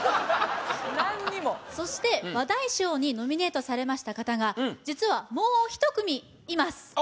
何にもそして話題賞にノミネートされました方が実はもう１組いますああ